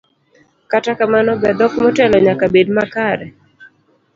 Kata kamano, be dhok motelo nyaka bed makare?